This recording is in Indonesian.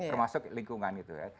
termasuk lingkungan itu ya